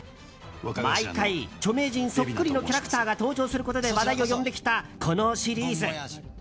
毎回、著名人そっくりのキャラクターが登場することで話題を呼んできたこのシリーズ。